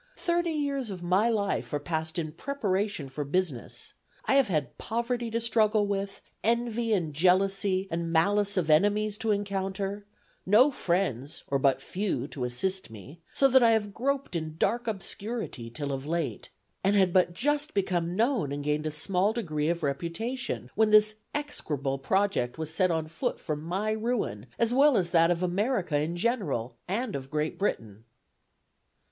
Thirty years of my life are passed in preparation for business; I have had poverty to struggle with, envy and jealousy and malice of enemies to encounter, no friends, or but few, to assist me; so that I have groped in dark obscurity, till of late, and had but just become known and gained a small degree of reputation, when this execrable project was set on foot for my ruin as well as that of America in general, and of Great Britain."